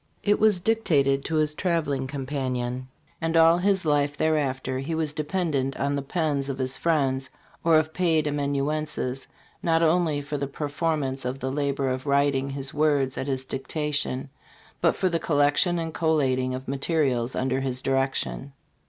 It was dictated to his traveling companion; and all his life thereafter he was dependent on the pens of his friends or of paid amanuenses not only for the performance of the labor of writing his words at his dictation, but for the collection and collating of materials under his direction.